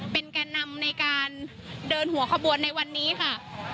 เป็นแก่นำในการเดินหัวขบวนในวันนี้ค่ะ